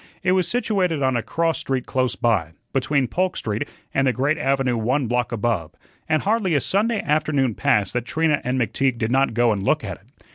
It was situated on a cross street close by, between Polk Street and the great avenue one block above, and hardly a Sunday afternoon passed that Trina and McTeague did not go and look at it.